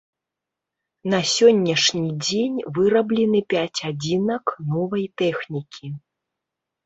На сённяшні дзень выраблены пяць адзінак новай тэхнікі.